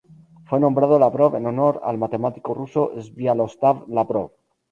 Fue nombrado Lavrov en honor al matemático ruso Sviatoslav Lavrov.